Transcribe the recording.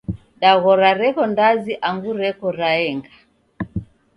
Daghora reko ndazi angu reko raenga?